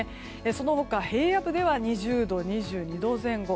その他、平野部では２０度２２度前後。